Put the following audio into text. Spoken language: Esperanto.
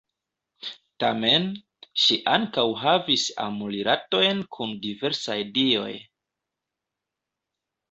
Tamen, ŝi ankaŭ havis am-rilatojn kun diversaj dioj.